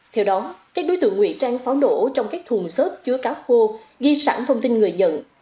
theo đó các đối tượng nguyện trang pháo nổ trong các thùng xốp chứa cáo khô ghi sẵn thông tin người dận